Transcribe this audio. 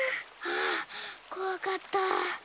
はあこわかった。